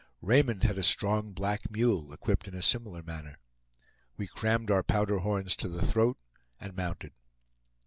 Raymond had a strong black mule, equipped in a similar manner. We crammed our powder horns to the throat, and mounted.